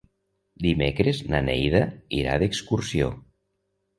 Dimecres na Neida irà d'excursió.